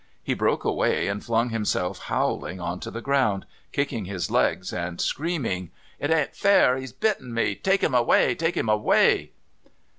He broke away and flung himself howling on to the ground, kicking his legs and screaming: "It isn't fair! He's bitten me! Take him away! Take him away!"